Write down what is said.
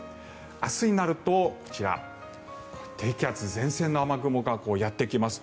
明日になると低気圧前線の雨雲がやってきます。